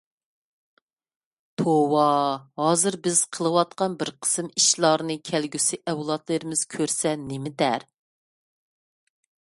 توۋا، ھازىر بىز قىلىۋاتقان بىر قىسىم ئىشلارنى كەلگۈسى ئەۋلادلىرىمىز كۆرسە نېمە دەر؟